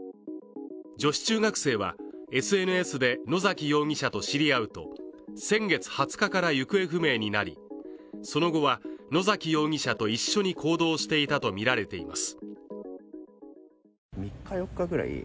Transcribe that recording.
女子中学生はＳＮＳで野崎容疑者と知り合うと先月２０日から行方不明となり、その後は野崎容疑者と共に行動していたとみられています。